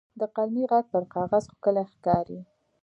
د قلمي ږغ پر کاغذ ښکلی ښکاري.